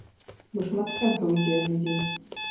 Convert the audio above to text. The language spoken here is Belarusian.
Бо шмат скаргаў ідзе ад людзей.